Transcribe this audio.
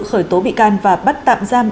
khởi tố bị can và bắt tạm giam